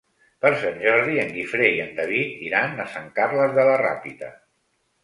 Per Sant Jordi en Guifré i en David iran a Sant Carles de la Ràpita.